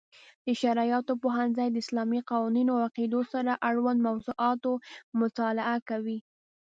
د شرعیاتو پوهنځی د اسلامي قوانینو او عقیدو سره اړوند موضوعاتو مطالعه کوي.